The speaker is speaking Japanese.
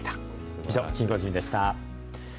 以上、キンゴジンでした。